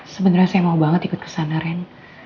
sebenarnya saya mau banget ikut ke sana ren